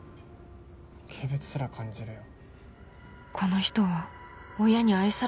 軽蔑すら感じるよ。